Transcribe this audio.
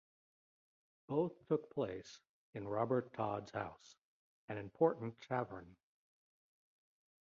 Both took place in Robert Todd's house, an important tavern.